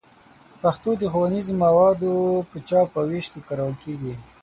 پښتو د ښوونیزو موادو په چاپ او ویش کې کارول کېږي.